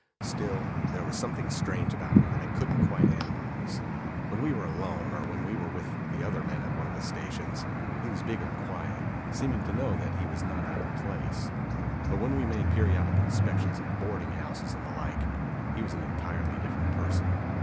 Still, there was something strange about him that I couldn't quite analyze. When we were alone, or when we were with the other men at one of the stations, he was big and quiet, seeming to know that he was not out of place. But when we made periodic inspections of boarding houses and the like, he was an entirely different person.